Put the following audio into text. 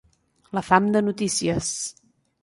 La fam de notícies.